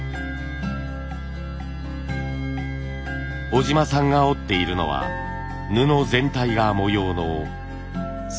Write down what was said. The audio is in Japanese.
小島さんが織っているのは布全体が模様の総柄。